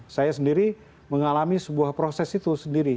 saya sendiri mengalami sebuah proses itu sendiri